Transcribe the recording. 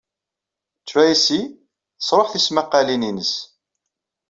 Tracy tesruḥ tismaqalin-ines.